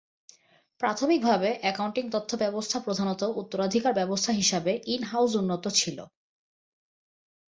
প্রাথমিকভাবে, অ্যাকাউন্টিং তথ্য ব্যবস্থা প্রধানত উত্তরাধিকার ব্যবস্থা হিসাবে "ইন-হাউস" উন্নত ছিল।